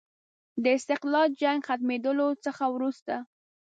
د استقلال جنګ ختمېدلو څخه وروسته.